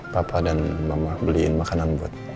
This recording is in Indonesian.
papa dan mama beliin makanan buat